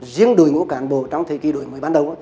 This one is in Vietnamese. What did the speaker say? riêng đội ngũ cán bộ trong thời kỳ đổi mới ban đầu